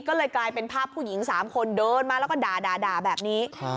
ก็เลยกลายเป็นภาพผู้หญิง๓คนเดินมาแล้วก็ด่าแบบนี้